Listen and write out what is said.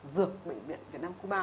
dược bệnh viện việt nam cuba